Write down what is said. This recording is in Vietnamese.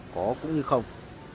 có cũng như không